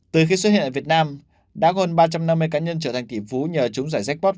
từ khi xuất hiện ở việt nam đã gồm hơn ba trăm năm mươi cá nhân trở thành kỷ phú nhờ trúng giải jackpot